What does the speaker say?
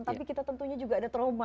tapi kita tentunya juga ada trauma